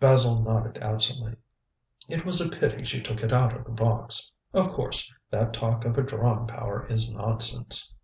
Basil nodded absently. "It was a pity she took it out of the box. Of course, that talk of a drawing power is nonsense."